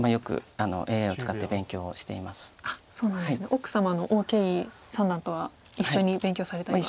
奥様の王景怡三段とは一緒に勉強されたりは。